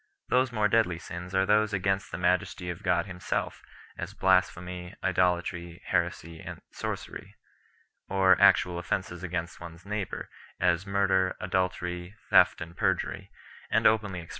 These more deadly sins are those against the majesty of God Himself, as blasphemy, idolatry, heresy and sorcery; or actual offences against one s neighbour, as murder, adultery, theft and perjury, and openly expressed Peniten tiary at Rome, c.